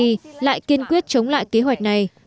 ông tamaki lại kiên quyết chống lại kế hoạch này